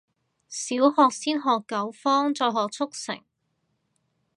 小學先學九方，再學速成